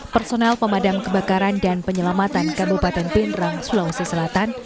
personel pemadam kebakaran dan penyelamatan kabupaten pindrang sulawesi selatan